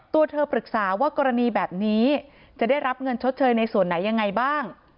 ตัวเธอปรึกษาว่ากรณีแบบนี้จะได้รับเงินชดเชยในส่วนไหนยังไงบ้าง